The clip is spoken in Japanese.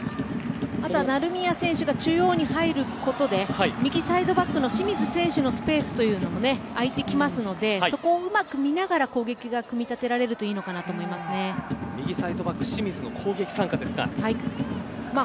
あとは成宮選手が中央に入ることで右サイドバックの清水選手のスペースも空いてきますのでそこをうまく見ながら攻撃を組み立てられると右サイドバックはい。